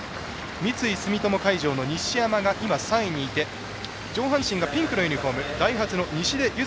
三井住友海上の西山が今、３位にいて上半身がピンクのユニフォームダイハツの西出優